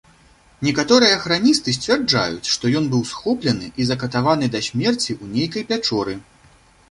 Некаторыя храністы сцвярджаюць, што ён быў схоплены і закатаваны да смерці ў нейкай пячоры.